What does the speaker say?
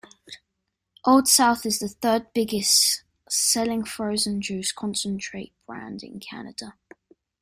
Old South is the third-biggest selling frozen juice concentrate brand in Canada.